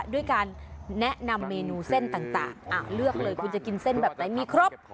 ด้วยการแนะนำเมนูเส้นต่างเลือกเลยคุณจะกินเส้นแบบไหนมีครบ